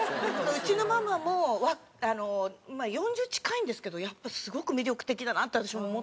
うちのママもまあ４０近いんですけどやっぱりすごく魅力的だなって私も思ってて。